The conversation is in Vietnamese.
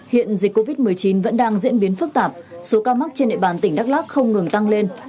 hiện dịch covid một mươi chín vẫn đang diễn biến phức tạp số ca mắc trên địa bàn tỉnh đắk lắc không ngừng tăng lên